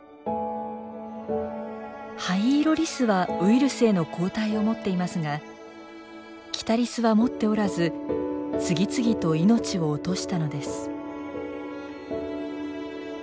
ハイイロリスはウイルスへの抗体を持っていますがキタリスは持っておらず次々と命を落としたのです。